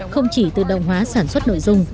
không chỉ tự động hóa sản xuất nội dung